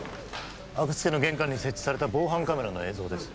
阿久津家の玄関に設置された防犯カメラの映像です